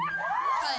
はい。